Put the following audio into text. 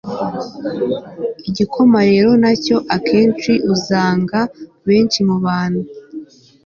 igikoma rero nacyo akenshi uzanga benshi mubantu